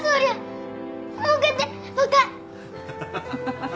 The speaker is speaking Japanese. ハハハハ！